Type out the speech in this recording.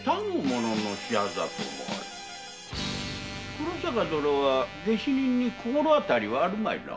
黒坂殿は下手人に心当たりはあるまいな？